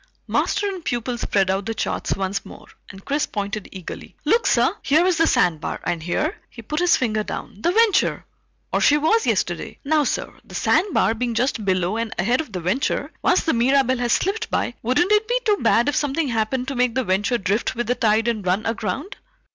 Master and pupil spread out the charts once more, and Chris pointed eagerly. "Look, sir! Here is the sandbar, and here" he put his finger down "the Venture. Or she was, yesterday. Now sir, the sandbar being just below and ahead of the Venture, once the Mirabelle has slipped by, wouldn't it be too bad if something happened to make the Venture drift with the tide and run aground?"